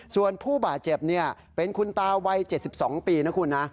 ส่วนผู้บาดเจ็บเป็นคุณตาวัย๗๒ปีนะคุณนะ